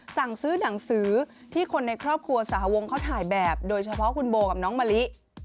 สั่งซื้อหนังสือที่คนในครอบครัวสหวงเขาถ่ายแบบโดยเฉพาะคุณโบกับน้องมะลิ